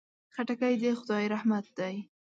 خټکی د خدای رحمت دی.